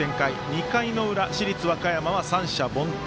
２回の裏、市立和歌山は三者凡退。